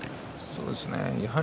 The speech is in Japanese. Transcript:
そうですね。